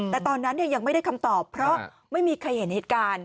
แต่ตอนนั้นยังไม่ได้คำตอบเพราะไม่มีใครเห็นเหตุการณ์